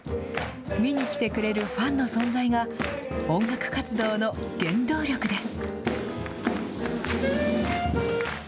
見に来てくれるファンの存在が、音楽活動の原動力です。